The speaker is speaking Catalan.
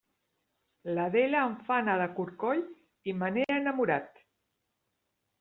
L'Adela em fa anar de corcoll i me n'he enamorat.